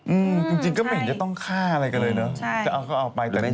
อืมจริงก็ไม่เห็นจะต้องฆ่าอะไรกันเลยนะจะเอาก็เอาไปแต่จริงน่ะ